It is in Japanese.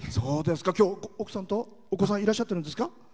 きょう、奥さんとお子さんいらっしゃってるんですか？